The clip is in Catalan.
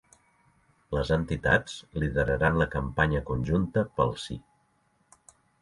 Les entitats lideraran la campanya conjunta pel ‘sí’